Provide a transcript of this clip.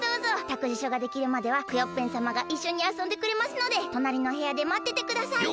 たくじしょができるまではクヨッペンさまがいっしょにあそんでくれますのでとなりのへやでまっててください。